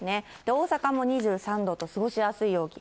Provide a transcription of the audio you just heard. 大阪も２３度と、過ごしやすい陽気。